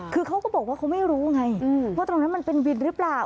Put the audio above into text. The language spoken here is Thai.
คือเขาก็บอกว่าเขาไม่รู้ไงว่าตรงนั้นมันเป็นวินหรือเปล่า